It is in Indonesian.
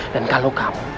dan kalau kamu